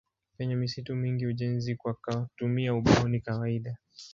Penye misitu mingi ujenzi kwa kutumia ubao ni kawaida.